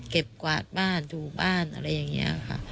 กวาดบ้านถูบ้านอะไรอย่างนี้ค่ะ